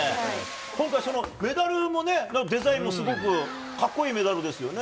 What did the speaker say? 今回、メダルも、デザインもすごくかっこいいメダルですよね。